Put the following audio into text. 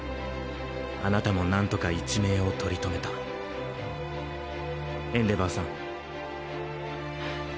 あなたも何とか一命を取り留めたエンデヴァーさん。